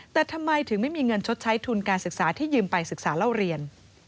แต่ทำไมถึงไม่มีเงินชดใช้ทุนการศึกษาที่ยืมไปศึกษาเล่าเรียน